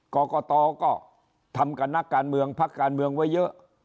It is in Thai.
กรกตก็ทำกับนักการเมืองพักการเมืองไว้เยอะ